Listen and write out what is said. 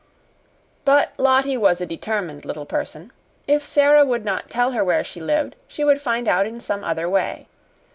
But Lottie was a determined little person. If Sara would not tell her where she lived, she would find out in some other way.